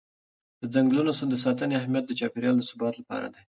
د ځنګلونو د ساتنې اهمیت د چاپېر یال د ثبات لپاره دی.